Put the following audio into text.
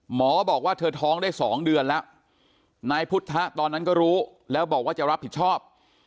หมอบอกว่าเธอท้องได้๒เดือนแล้วนายพุทธตอนนั้นก็รู้แล้วบอกว่าจะรับผิดชอบ